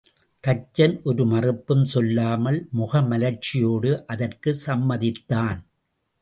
தச்சன் ஒரு மறுப்பும் சொல்லாமல் முகமலர்ச்சியோடு அதற்குச் சம்மதித்தான்.